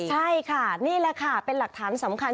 ใช่ค่ะนี่แหละค่ะเป็นหลักฐานสำคัญ